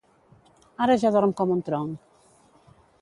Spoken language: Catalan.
Ara ja dorm com un tronc.